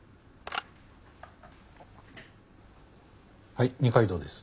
はい二階堂です。